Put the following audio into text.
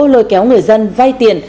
lời kéo người dân vay tiền